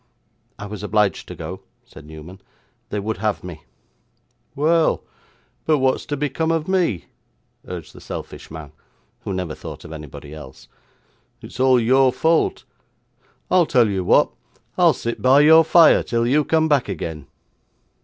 'I was obliged to go,' said Newman. 'They would have me.' 'Well; but what's to become of me?' urged the selfish man, who never thought of anybody else. 'It's all your fault. I'll tell you what I'll sit by your fire till you come back again.